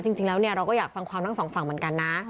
จริงแล้วเราก็อยากฟังความทั้งสองฝั่งเหมือนกันนะ